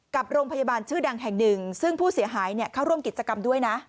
กับโรงพยาบาลชื่อดังแห่งหนึ่งซึ่งผู้เสียหายเข้าร่วมกิจกรรมด้วยนะ